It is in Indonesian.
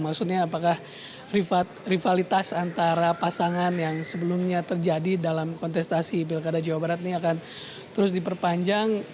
maksudnya apakah rivalitas antara pasangan yang sebelumnya terjadi dalam kontestasi pilkada jawa barat ini akan terus diperpanjang